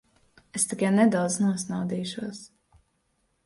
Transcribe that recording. Es tikai nedaudz nosnaudīšos.